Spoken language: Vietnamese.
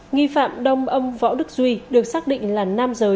nghi phạm đông âm võ đức duy được xác định là năm giờ